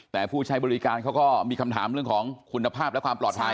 เขาก็มีคำถามเรื่องของคุณภาพและความปลอดภัย